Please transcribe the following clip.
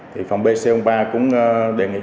thì phòng b c một mươi ba cũng đề nghị